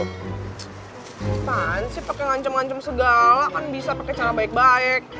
cepetan sih pake ngancem ngancem segala kan bisa pake cara baik baik